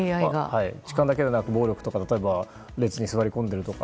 痴漢だけではなく暴力とか座り込んでいるとか